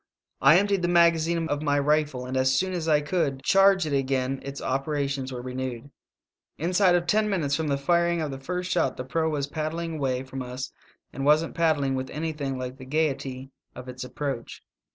I emptied the magazine of my rifle, and as soon as I could charge it again its operations were renewed. "Inside of ten minutes from the firing of the first shot the proa was paddling away from us, and wasn't paddling with anything like the gayety of its approach.